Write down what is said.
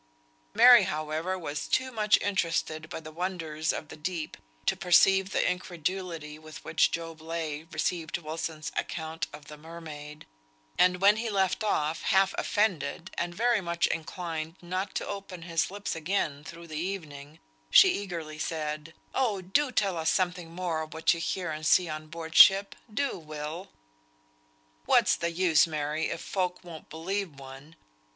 Mary, however, was too much interested by the wonders of the deep to perceive the incredulity with which Job Legh received Wilson's account of the mermaid; and when he left off, half offended, and very much inclined not to open his lips again through the evening, she eagerly said, "Oh do tell us something more of what you hear and see on board ship. Do, Will!" "What's the use, Mary, if folk won't believe one.